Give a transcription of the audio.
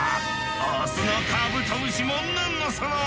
オスのカブトムシもなんのその！